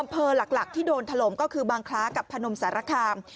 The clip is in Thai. อำเภอหลักที่โดนถล่มก็คือบางคล้ากับพนมสารคาม